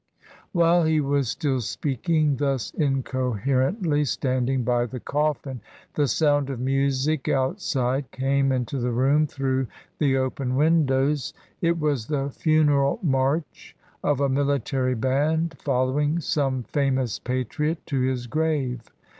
While he was still speaking thus incoherently, standing by the coffin, the sound of music outside came into the room through the open windows. It was the funeral march of a military band following some famous patriot to his grave.